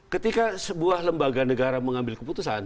ketika sebuah lembaga negara mengambil keputusan